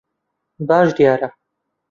باش دیارە.